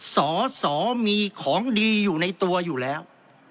สอสอมีของดีอยู่ในตัวอยู่แล้ว